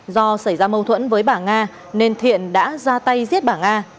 do xảy ra mâu thuẫn với bà nga nên thiện đã ra tay giết bà nga